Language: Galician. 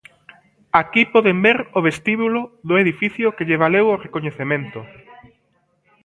Aquí poden ver o vestíbulo do edificio que lle valeu o recoñecemento.